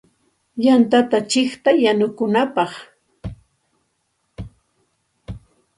Yantata chiqtay yanukunapaq.